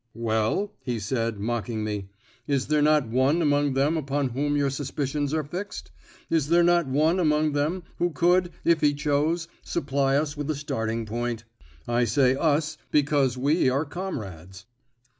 "Well?" he said, mocking me. "Is there not one among them upon whom your suspicions are fixed? Is there not one among them who could, if he chose, supply us with a starting point? I say 'us,' because we are comrades."